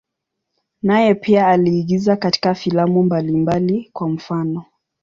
Naye pia aliigiza katika filamu mbalimbali, kwa mfano.